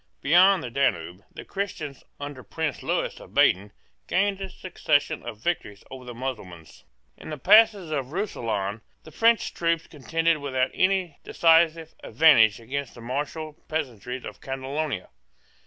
Beyond the Danube, the Christians, under Prince Lewis of Baden, gained a succession of victories over the Mussulmans. In the passes of Roussillon, the French troops contended without any decisive advantage against the martial peasantry of Catalonia.